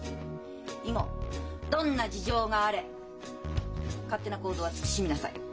以後どんな事情があれ勝手な行動は慎みなさい。